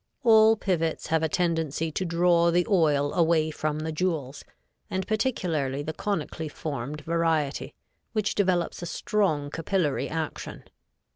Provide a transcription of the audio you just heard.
All pivots have a tendency to draw the oil away from the jewels, and particularly the conically formed variety, which develops a strong capillary attraction.